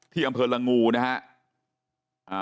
ที่อำเภอลงูล่ะนะฮะ